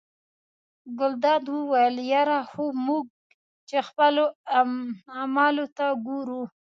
ګلداد وویل یره خو موږ چې خپلو اعمالو ته ګورو.